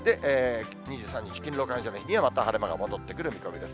２３日勤労感謝の日には、また晴れ間が戻って来る見込みです。